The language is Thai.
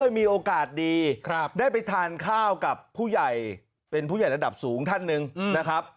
มีโอกาสดีได้ไปทานข้าวกับผู้ใหญ่เป็นผู้ใหญ่ระดับสูงท่านหนึ่งนะครับ